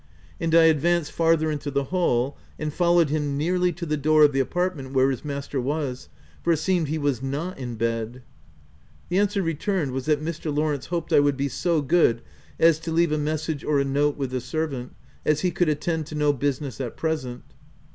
And I advanced farther into the hall and followed him nearly to the door of the apartment where his master was — for it seemed he was not in bed. The answer returned, was that Mr. Lawrence hoped I would be so good as to leave a mes sage or a note with the servant, as he could at tend to no business at present.